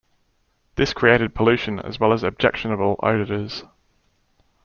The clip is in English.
This created pollution as well as objectionable odors.